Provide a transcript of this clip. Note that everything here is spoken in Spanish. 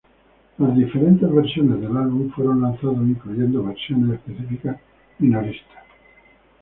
Las diferentes versiones del álbum fueron lanzados, incluyendo versiones específicas-minorista.